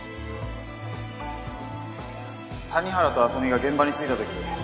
谷原と浅見が現場に着いたとき